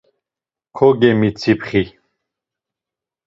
Kogemitzipxi.